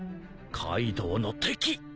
カイドウの敵！